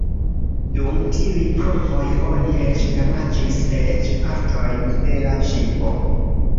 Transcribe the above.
Dum tiuj provoj oni eĉ damaĝis eĉ partojn de la ŝipo.